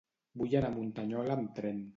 Vull anar a Muntanyola amb tren.